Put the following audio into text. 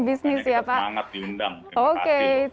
bisnis ya pak